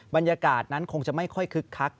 บรรยากาศนั้นคงจะไม่ค่อยคึกคัก